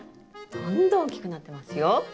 どんどん大きくなってますよ。